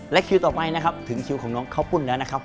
คิวต่อไปนะครับถึงคิวของน้องข้าวปุ้นแล้วนะครับ